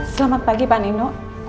selamat pagi pak elmino